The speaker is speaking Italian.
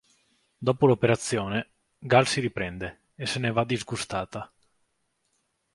Dopo l’operazione, Gal si riprende, e se ne va disgustata.